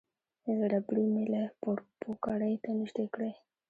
ربړي میله پوکڼۍ ته نژدې کړئ.